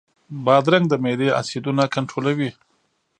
بادرنګ د معدې اسیدونه کنټرولوي.